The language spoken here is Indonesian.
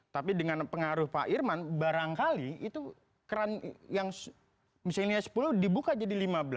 tapi dengan pengaruh pak irman barangkali itu keran yang misalnya sepuluh dibuka jadi lima belas